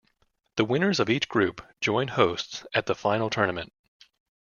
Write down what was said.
The winners of each group join hosts at the Final Tournament.